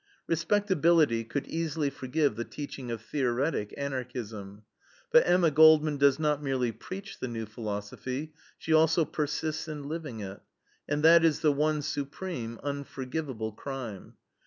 Respectability could easily forgive the teaching of theoretic Anarchism; but Emma Goldman does not merely preach the new philosophy; she also persists in living it, and that is the one supreme, unforgivable crime.